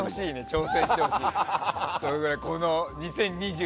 挑戦してほしい。